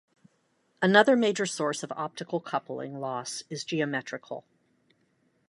Another major source of optical coupling loss is geometrical.